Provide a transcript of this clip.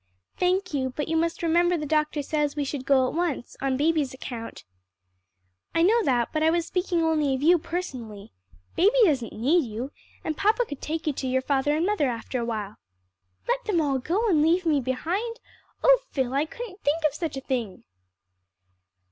"Thank you, but you must remember the doctor says we should go at once, on baby's account." "I know that, but I was speaking only of you personally. Baby doesn't need you, and papa could take you to your father and mother after a while." "Let them all go and leave me behind? Oh, Phil, I couldn't think of such a thing!"